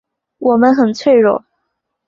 我们很脆弱